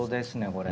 これ。